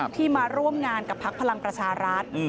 ที่มาร่วมงานกับพักพลังประชารัฐ